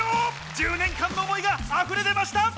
１０年間の思いがあふれ出ました！